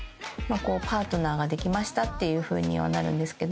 パートナーができましたっていうふうにはなるんですけど。